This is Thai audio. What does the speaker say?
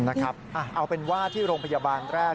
เอาเป็นว่าที่โรงพยาบาลแรก